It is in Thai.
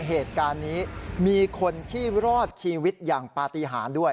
เหตุการณ์นี้มีคนที่รอดชีวิตอย่างปฏิหารด้วย